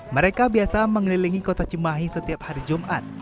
mereka biasa mengelilingi kota cimahi setiap hari jumat